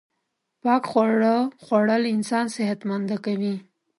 پاک خواړه خوړل انسان صحت منده کوی